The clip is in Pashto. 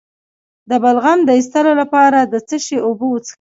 د بلغم د ایستلو لپاره د څه شي اوبه وڅښم؟